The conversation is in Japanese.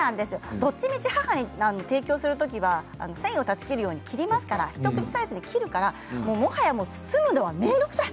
どっちみち母に提供するときには繊維を断ち切るように一口サイズに切るからもはや包むのは面倒くさい。